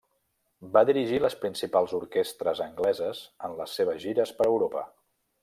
Va dirigir les principals orquestres angleses en les seves gires per Europa.